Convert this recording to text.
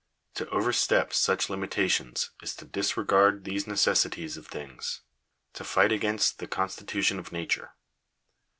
To overstep such limitations is to disregard these necessities of things — to fight against the constitution of nature.